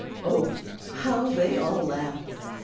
Oh, how they all laughed!